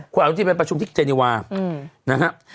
คุณอนุทินไปประชุมที่เจเนวานะครับ